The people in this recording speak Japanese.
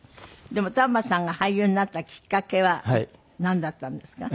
でも丹波さんが俳優になったきっかけはなんだったんですか？